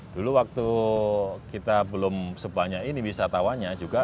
dulu waktu kita belum sepanjang ini bisa tahunya